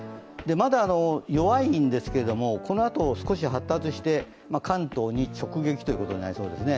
まだ弱いんですけれども、このあと少し発達して関東に直撃ということになりそうですね。